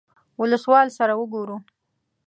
اولسوال سره وګورو.